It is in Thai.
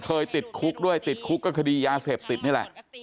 ติดคุกด้วยติดคุกก็คดียาเสพติดนี่แหละ